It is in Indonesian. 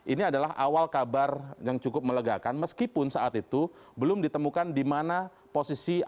ini adalah awal kabar yang cukup melegakan meskipun saat itu belum ditemukan di mana posisi